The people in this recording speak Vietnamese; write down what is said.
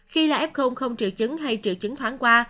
khi là f không triệu chứng hay triệu chứng thoáng qua